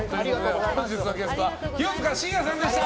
本日のゲストは清塚信也さんでした。